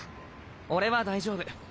俺は大丈夫。